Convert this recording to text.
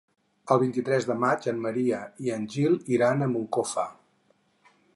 El vint-i-tres de maig en Maria i en Gil iran a Moncofa.